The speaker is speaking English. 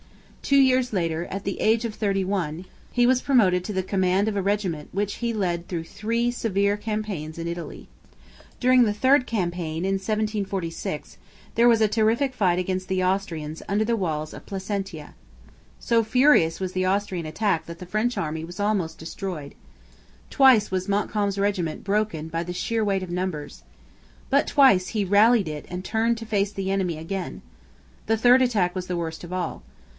Two years later, at the age of thirty one, he was promoted to the command of a regiment which he led through three severe campaigns in Italy. During the third campaign, in 1746, there was a terrific fight against the Austrians under the walls of Placentia. So furious was the Austrian attack that the French army was almost destroyed. Twice was Montcalm's regiment broken by sheer weight of numbers. But twice he rallied it and turned to face the enemy again. The third attack was the worst of all.